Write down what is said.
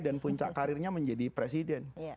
dan puncak karirnya menjadi presiden